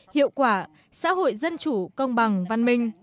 hiệu quả xã hội dân chủ công nghệ